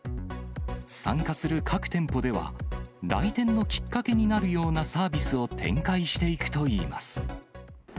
参加する各店舗では、来店のきっかけになるようなサービスを展開していくといいます。